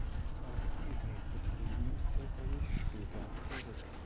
Aus diesen Betrieben zog er sich später zurück.